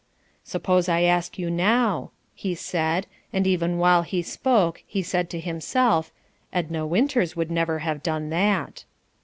"Suppose I ask you now," he said, and even while he spoke he said to himself, "Edna Winters would never have done that."